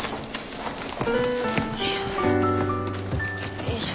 よいしょ。